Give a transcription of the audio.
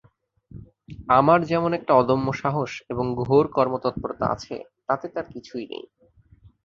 আমার যেমন একটা অদম্য সাহস এবং ঘোর কর্মতৎপরতা আছে, তাঁতে তার কিছুই নেই।